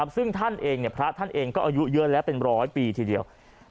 ซึ่งพระท่านเองก็อายุเยอะแล้วเป็น๑๐๐ปีทีเดียว